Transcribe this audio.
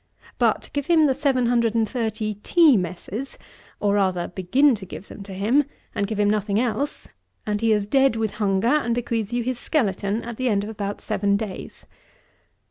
But give him the 730 tea messes, or rather begin to give them to him, and give him nothing else, and he is dead with hunger, and bequeaths you his skeleton, at the end of about seven days.